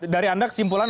dari anda kesimpulan